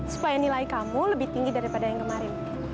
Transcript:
supaya nilai kamu lebih tinggi daripada yang kemarin